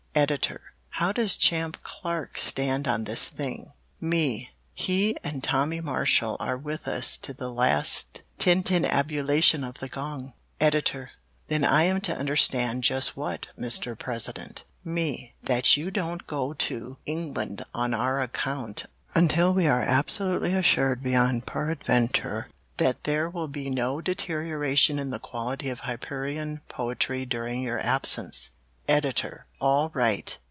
"Editor How does Champ Clark stand on this thing? "Me He and Tommie Marshall are with us to the last tintinnabulation of the gong. "Editor Then I am to understand just what, Mr. President? "Me That you don't go to England on our account until we are absolutely assured beyond peradvanture that there will be no deterioration in the quality of Hyperion poetry during your absence. "Editor All right.